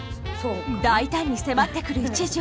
大胆に迫ってくる一条。